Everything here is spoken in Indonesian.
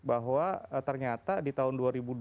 bahwa ternyata di tahun